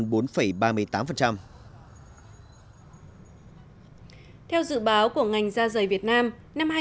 theo dự báo của ngành ra giày việt nam